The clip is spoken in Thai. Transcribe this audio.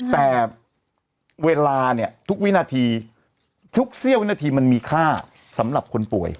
แต่เวลาเนี่ยทุกวินาทีทุกเสี้ยววินาทีมันมีค่าสำหรับคนป่วย